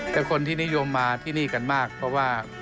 แต่คนที่นิยมมาที่นี่กันมากเพราะว่า